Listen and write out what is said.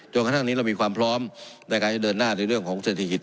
กระทั่งนี้เรามีความพร้อมในการจะเดินหน้าในเรื่องของเศรษฐกิจ